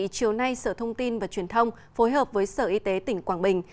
chiều nay sở thông tin và truyền thông phối hợp với sở y tế tỉnh quảng bình